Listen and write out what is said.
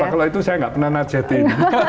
pak kalau itu saya nggak pernah najetin